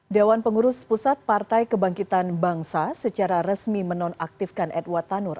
dewan pengurus pusat partai kebangkitan bangsa secara resmi menonaktifkan edward tanur